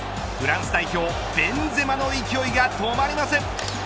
フランス代表ベンゼマの勢いが止まりません。